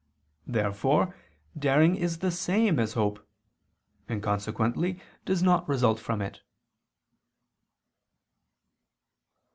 Therefore daring is the same as hope; and consequently does not result from it.